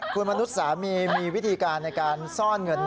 คุณมนุษย์สามีมีวิธีการในการซ่อนเงิน